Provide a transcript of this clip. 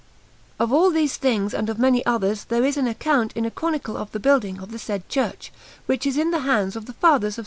Of all these things and of many others there is an account in a chronicle of the building of the said church, which is in the hands of the fathers of S.